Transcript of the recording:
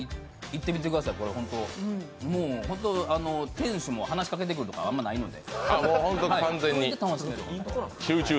行ってみてください、本当、店主も話しかけてくるとかあんまりないんで。